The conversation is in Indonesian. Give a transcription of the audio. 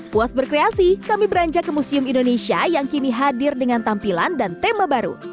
puas berkreasi kami beranjak ke museum indonesia yang kini hadir dengan tampilan dan tema baru